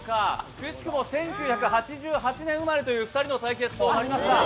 くしくも１９８８年生まれという２人の対決となりました。